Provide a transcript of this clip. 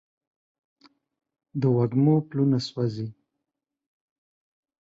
د وږمو پلونه سوزي